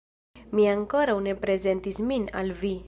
Mi ankoraŭ ne prezentis min al vi.